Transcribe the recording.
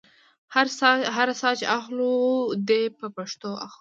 هر ساه چې اخلو دې په پښتو اخلو.